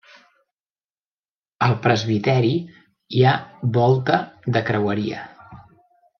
Al presbiteri hi ha volta de creueria.